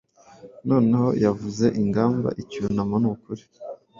Noneho yavuze ingamba icyunamo nukuri